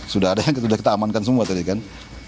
sudah ada yang sudah kita amankan semua tadi kan